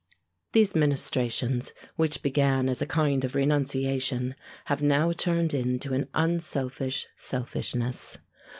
These ministrations, which began as a kind of renunciation, have now turned into an unselfish selfishness.